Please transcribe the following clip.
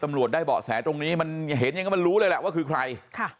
ตำรวจได้เบาะแสตรงนี้มันเห็นอย่างนั้นมันรู้เลยแหละว่าคือใคร